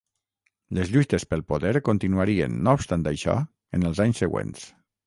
Les lluites pel poder continuarien, no obstant això, en els anys següents.